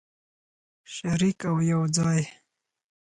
شریک او یوځای.